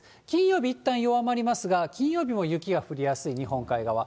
金曜日、いったん弱まりますが、金曜日も雪が降りやすい、日本海側。